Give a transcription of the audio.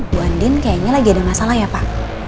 bu andin kayaknya lagi ada masalah ya pak